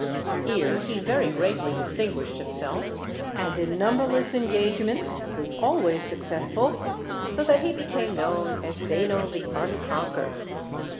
Here he very greatly distinguished himself, and in numberless engagements was always successful, so that he became known as Zeno the Unconquered.